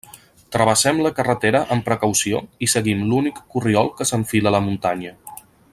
Travessem la carretera amb precaució i seguim l'únic corriol que s'enfila a la muntanya.